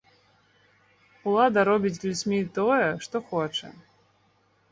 Улада робіць з людзьмі тое, што хоча.